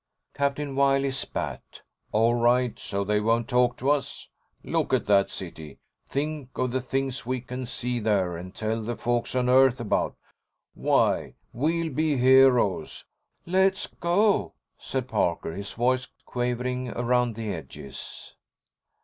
Captain Wiley spat. "All right, so they won't talk to us. Look at that city! Think of the things we can see there and tell the folks on Earth about! Why, we'll be heroes!" "Let's go," said Parker, his voice quavering around the edges.